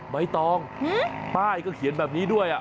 ใบตองป้ายก็เขียนแบบนี้ด้วย